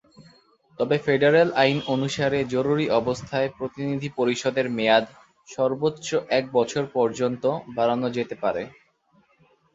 তবে, ফেডারেল আইন অনুসারে জরুরি অবস্থায় প্রতিনিধি পরিষদের মেয়াদ সর্বোচ্চ এক বছর পর্যন্ত বাড়ানো যেতে পারে।